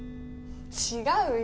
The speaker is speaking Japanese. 違うよ。